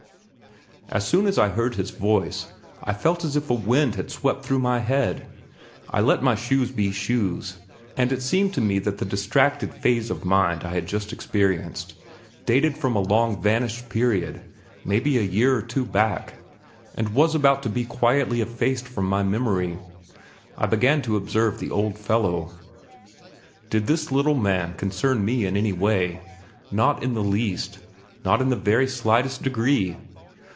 As soon as I heard his voice, I felt as if a wind had swept through my head. I let shoes be shoes, and it seemed to me that the distracted phase of mind I had just experienced dated from a long vanished period, maybe a year or two back, and was about to be quietly effaced from my memory. I began to observe the old fellow. Did this little man concern me in any way? Not in the least, not in the very slightest degree!